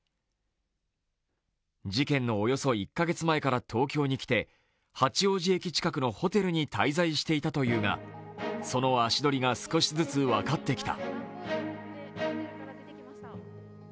事件のおよそ１カ月前から東京に来て八王子駅近くのホテルに滞在していたというがその足取りが少しずつ分かってきた。